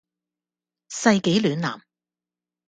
世紀暖男